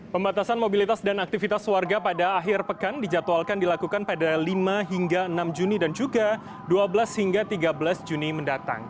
pembatasan mobilitas dan aktivitas warga pada akhir pekan dijadwalkan dilakukan pada lima hingga enam juni dan juga dua belas hingga tiga belas juni mendatang